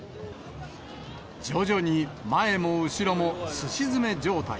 徐々に前も後ろもすし詰め状態。